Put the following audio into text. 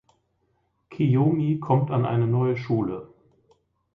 Kiyomi kommt an eine neue Schule.